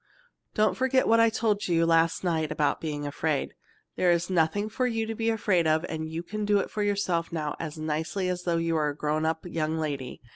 "Don't forget what I told you last night about being afraid. There is nothing for you to be afraid of, and you can do for yourself now just as nicely as though you were a grown up young lady.